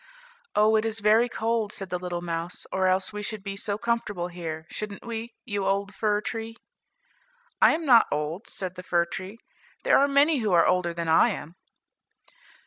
"Oh, it is very cold," said the little mouse, "or else we should be so comfortable here, shouldn't we, you old fir tree?" "I am not old," said the fir tree, "there are many who are older than I am."